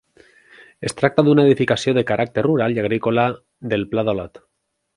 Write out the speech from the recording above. Es tracta d'una edificació de caràcter rural i agrícola del Pla d'Olot.